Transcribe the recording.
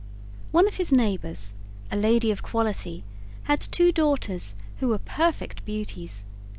One of his neighbors, a lady of quality, had two daughters who were perfect beauties.